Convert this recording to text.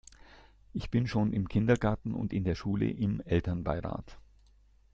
Ich bin schon im Kindergarten und in der Schule im Elternbeirat.